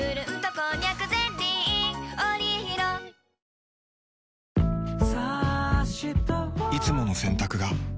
ニトリいつもの洗濯が